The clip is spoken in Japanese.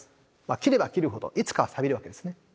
斬れば斬るほどいつかはさびるわけですね。